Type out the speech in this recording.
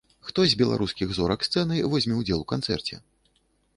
Хто з беларускіх зорак сцэны возьме ўдзел у канцэрце?